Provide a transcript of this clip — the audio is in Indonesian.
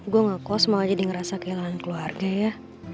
gue ngaku semua jadi ngerasa kehilangan keluarga ya